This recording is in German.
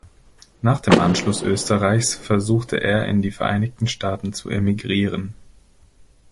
Nach dem Anschluss Österreichs versuchte er in die Vereinigten Staaten zu emigrieren.